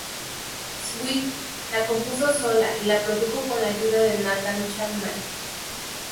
Swift la compuso sola y la produjo con la ayuda de Nathan Chapman.